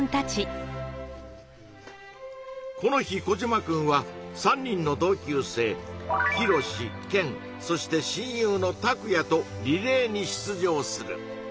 この日コジマくんは３人の同級生ヒロシケンそして親友のタクヤとリレーに出場する。